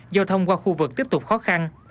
giao thông qua khu vực tiếp tục khó khăn